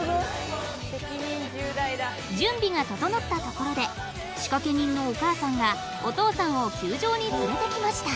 準備が整ったところで仕掛け人のお母さんがお父さんを球場に連れてきました。